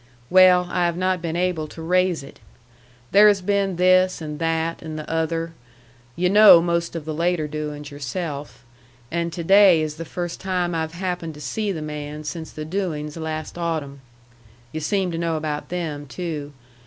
"Well, I have not been able to raise it. There has been this and that and the other, yu' know most of the later doings yourself, and to day is the first time I've happened to see the man since the doings last autumn. Yu' seem to know about them, too.